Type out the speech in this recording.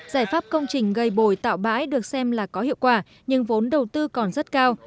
giải pháp công trình gây bồi tạo bãi được xem là có hiệu quả nhưng vốn đầu tư còn rất cao